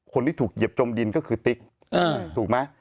คนที่ถูกเหยียบจมดินก็คือติ๊กถูกไหม